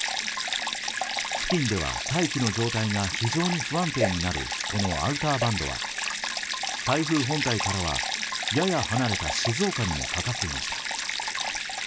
付近では大気の状態が非常に不安定になるこのアウターバンドは台風本体からは、やや離れた静岡にもかかっていました。